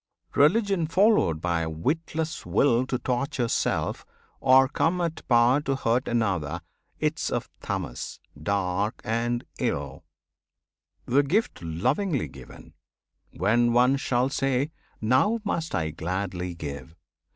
Religion followed by a witless will To torture self, or come at power to hurt Another, 'tis of Tamas, dark and ill. The gift lovingly given, when one shall say "Now must I gladly give!"